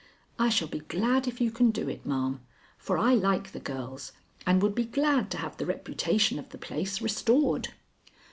I shall be glad if you can do it, ma'am, for I like the girls and would be glad to have the reputation of the place restored."